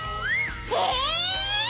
え！？